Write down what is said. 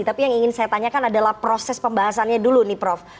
tapi yang ingin saya tanyakan adalah proses pembahasannya dulu nih prof